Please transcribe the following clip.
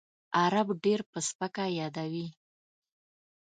عرب ډېر په سپکه یادوي.